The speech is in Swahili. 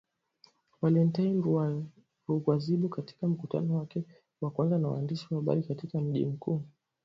Valentine Rugwabiza katika mkutano wake wa kwanza na waandishi wa habari katika mji mkuu